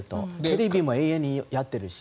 テレビも永遠にやってるし。